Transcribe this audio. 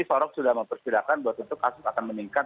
prof sudah mempersirakan bahwa tentu kasus akan meningkat